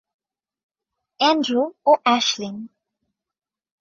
Andrew, ও Ashlyn.